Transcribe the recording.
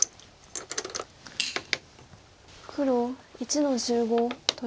黒１の十五取り。